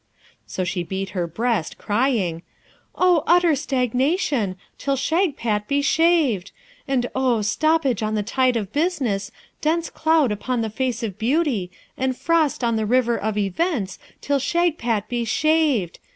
So she beat her breast, crying, 'Oh, utter stagnation, till Shagpat be shaved! and oh, stoppage in the tide of business, dense cloud upon the face of beauty, and frost on the river of events, till Shagpat be shaved!